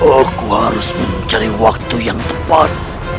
aku harus mencari waktu yang tepat